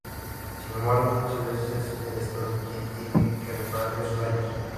Sin embargo, muchas veces es el Estado quien tiene que reparar esos daños.